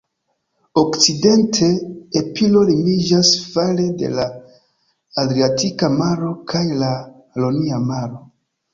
Okcidente, Epiro limiĝas fare de la Adriatika Maro kaj la Ionia Maro.